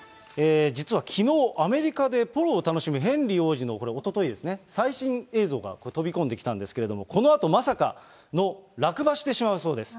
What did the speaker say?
実はきのう、アメリカでポロを楽しむヘンリー王子の、これ、おとといですね、最新映像が飛び込んできたんですけれども、このあとまさかの落馬してしまうそうです。